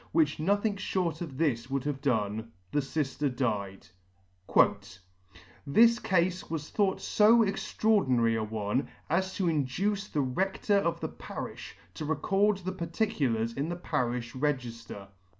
which nothing fhort of this would have done :— the filter died. R " This C 122 ]" This cafe was thought fo extraordinary a one, as to induce the redtor of the pariili to record the particulars in the parifli regifter."